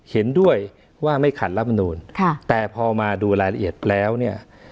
เห็นด้วยว่าไม่ขัดรัฐมนูลค่ะแต่พอมาดูรายละเอียดแล้วเนี่ย